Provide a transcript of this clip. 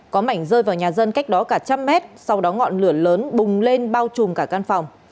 có mảnh rơi vào nhà dân cách đó cả trăm mét sau đó ngọn lửa lớn bùng lên bao trùm cả căn phòng